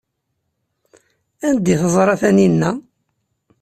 Anda ay teẓra Taninna?